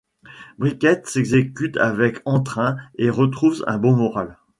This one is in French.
Briquet s'exécute avec entrain et retrouve un bon moral.